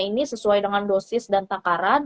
ini sesuai dengan dosis dan takaran